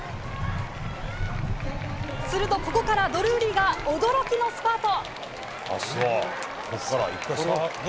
するとここからドルーリーが驚きのスパート。